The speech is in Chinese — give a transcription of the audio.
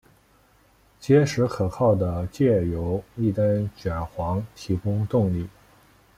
结实可靠的藉由一根卷簧提供动力。